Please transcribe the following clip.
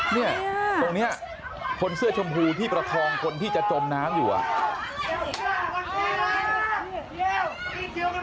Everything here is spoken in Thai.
เนี่ยตรงนี้คนเสื้อชมพูที่ประคองคนที่จะจมน้ำอยู่อ่ะ